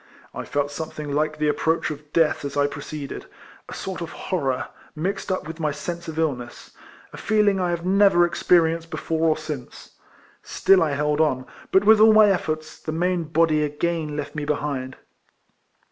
I felt something like the ap proach of death as I proceeded — a sort of horror, mixed up with my sense of illness — a leeling I have never experienced before or since. Still I held on; but with all my efforts, the main body again left me behind.